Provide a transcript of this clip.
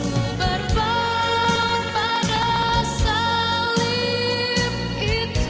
ku berbang pada salib itu